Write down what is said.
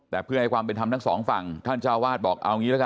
แต่เพื่อนในความเป็นธรรมทั้ง๒ฝั่งท่านเจ้าวาดบอก